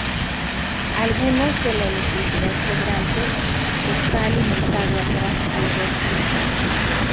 Algunos de la electricidad sobrante está alimentado atrás a la verja local.